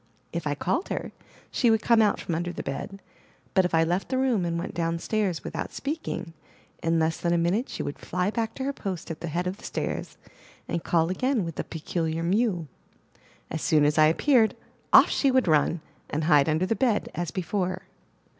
If I called her, she would come out from under the bed; but if I left the room, and went down stairs without speaking, in less than a minute she would fly back to her post at the head of the stairs, and call again with the peculiar mew. As soon as I appeared, off she would run, and hide under the bed as before.